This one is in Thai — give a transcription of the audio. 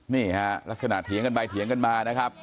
นี่ฮะลักษณะเถียงกันไปเถียงกันมานะครับ